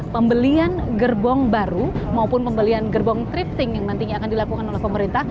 pembelian gerbong baru maupun pembelian gerbong tripting yang nantinya akan dilakukan oleh pemerintah